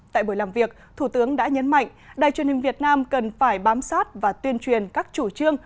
tại buổi làm việc thủ tướng đã nhấn mạnh đài truyền hình việt nam cần phải bám sát và tuyên truyền các chủ trương